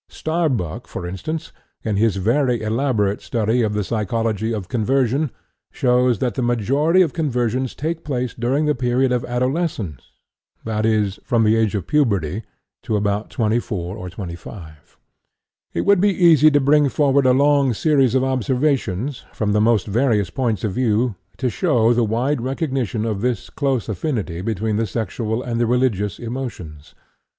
Starbuck, for instance, in his very elaborate study of the psychology of conversion shows that the majority of conversions take place during the period of adolescence; that is, from the age of puberty to about 24 or 25. It would be easy to bring forward a long series of observations, from the most various points of view, to show the wide recognition of this close affinity between the sexual and the religious emotions.